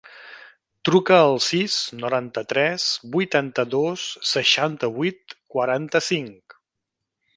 Truca al sis, noranta-tres, vuitanta-dos, seixanta-vuit, quaranta-cinc.